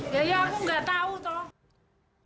ya ya aku gak tau toh